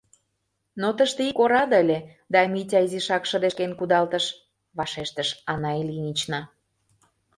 Но тыште ик ораде ыле, да Митя изишак шыдешкен кудалтыш, — вашештыш Анна Ильинична.